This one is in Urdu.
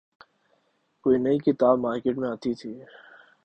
کوئی نئی کتاب مارکیٹ میں آتی تھی۔